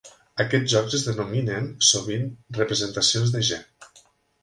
Aquests jocs es denominen sovint "representacions de G".